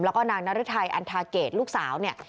แล้วก็นางนรึทัยอันทาเกตลูกสาวเนี่ย